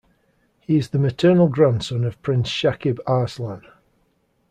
He is the maternal grandson of Prince Shakib Arslan.